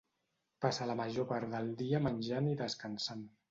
Passa la major part del dia menjant i descansant.